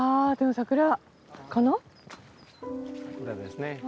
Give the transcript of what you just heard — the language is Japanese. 桜ですね。